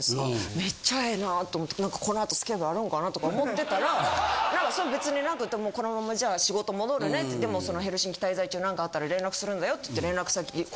めっちゃええなぁと思って何かこの後スケベがあるんかな？とか思ってたら何かそれは別になくって「このままじゃあ仕事戻るねでもヘルシンキ滞在中何かあったら連絡するんだよ」つって。